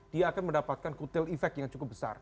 dia akan mendapatkan kutil efek yang cukup besar